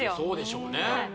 そうでしょうね